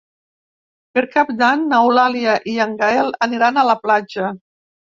Per Cap d'Any n'Eulàlia i en Gaël aniran a la platja.